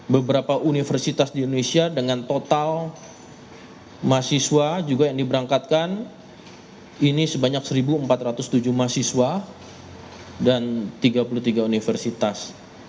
beberapa universitas di indonesia dengan total mahasiswa juga yang diberangkatkan ini sebanyak satu empat ratus tujuh mahasiswa dan tiga puluh tiga universitas